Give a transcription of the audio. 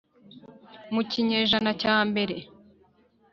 Mu kinyejana cya mbere